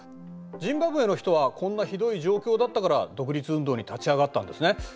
ジンバブエの人はこんなひどい状況だったから独立運動に立ち上がったんですね。